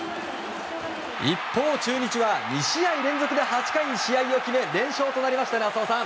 一方、中日は２試合連続で８回に試合を決め連勝となりましたね浅尾さん。